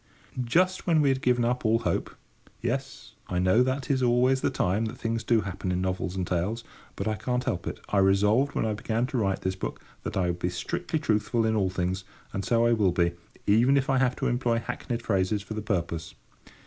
Just when we had given up all hope—yes, I know that is always the time that things do happen in novels and tales; but I can't help it. I resolved, when I began to write this book, that I would be strictly truthful in all things; and so I will be, even if I have to employ hackneyed phrases for the purpose.